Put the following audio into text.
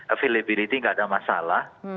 availability gak ada masalah